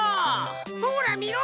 ほらみろ！